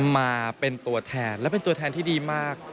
มาเป็นตัวแทนและเป็นตัวแทนที่ดีมาก